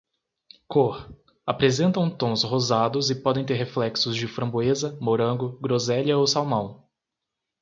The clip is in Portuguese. Cor: apresentam tons rosados e podem ter reflexos de framboesa, morango, groselha ou salmão.